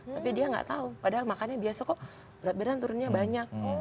tapi dia nggak tahu padahal makannya biasa kok berat badan turunnya banyak